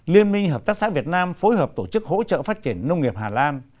liên minh hợp tác xã việt nam phối hợp tổ chức hỗ trợ phát triển nông nghiệp hà lan